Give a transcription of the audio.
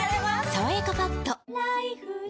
「さわやかパッド」